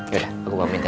ya udah aku pamit ya